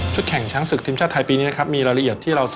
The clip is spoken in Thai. ชุดเยือนเราตั้งชื่อชุดเยือนของเราเนี่ยในชุดสีขาวเนี่ยว่าปราปไตจักร